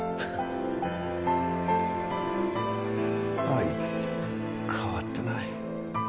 あいつ変わってない。